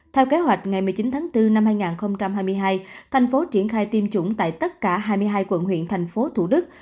theo kế hoạch ngày một mươi chín tháng bốn năm hai nghìn hai mươi hai thành phố triển khai tiêm chủng tại tất cả hai mươi hai quận huyện thành phố thủ đức